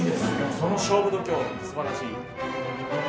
その勝負度胸すばらしい。